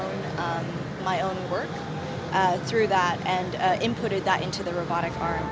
dan memasuki arm robot